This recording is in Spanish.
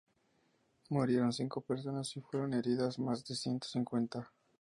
Murieron cinco personas y fueron heridas más de ciento cincuenta.